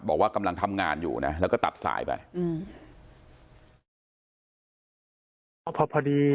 บอกว่ากำลังทำงานอยู่นะแล้วก็ตัดสายไป